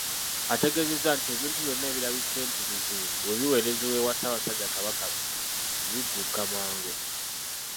Ategeezezza nti ebintu byonna ebirabise nti bizibu bwe biweerezebwa ewa Ssaabasajja Kabaka bigguka mangu